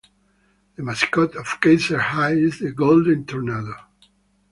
The mascot of Keyser High is the Golden Tornado.